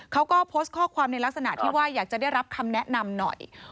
เขาก็โพสต์ข้อความในลักษณะที่ว่าอยากจะได้รับคำแนะนำหน่อย